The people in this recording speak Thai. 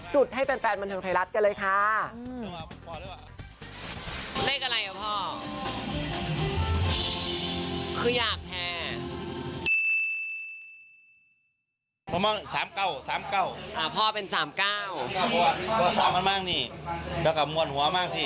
ให้แฟนบันเทิงไทยรัฐกันเลยค่ะ